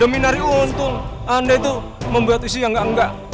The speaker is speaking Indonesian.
demi nari untung anda itu membuat isu yang gak nggak